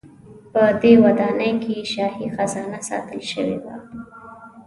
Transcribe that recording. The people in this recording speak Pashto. په دې ودانۍ کې شاهي خزانه ساتل شوې وه.